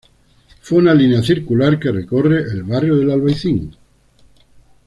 Fue una línea circular que recorre el barrio del Albaicín.